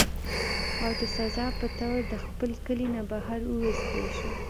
او د سزا پۀ طور د خپل کلي نه بهر اوويستی شو